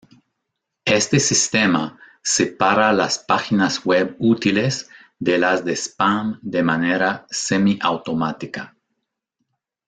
Este sistema separa las páginas web útiles de las de spam de manera semiautomática.